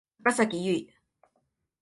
高咲侑